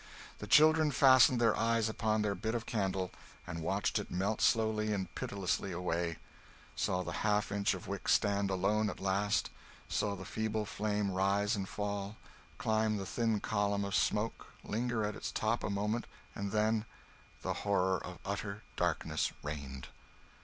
The children fastened their eyes upon their bit of candle and watched it melt slowly and pitilessly away; saw the half inch of wick stand alone at last; saw the feeble flame rise and fall, climb the thin column of smoke, linger at its top a moment, and then—the horror of utter darkness reigned!